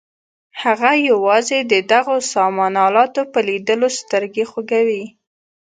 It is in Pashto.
هغه یوازې د دغو سامان الاتو په لیدلو سترګې خوږوي.